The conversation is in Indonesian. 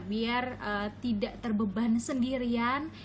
biar tidak terbeban sendirian